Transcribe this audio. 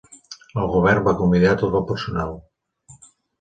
El govern va acomiadar tot el personal.